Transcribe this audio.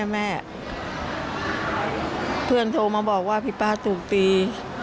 แม่เพื่อนโทรมาบอกว่าพี่ป๊าถูกตี